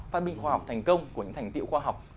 phát biểu khoa học thành công của những thành tiệu khoa học